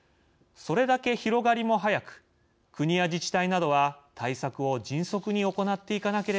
それだけ広がりも速く国や自治体などは、対策を迅速に行っていな